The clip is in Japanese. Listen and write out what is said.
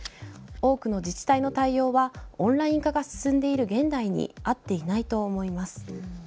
多くの自治体の対応はオンライン化が進んでいる現代に合っていないと思います。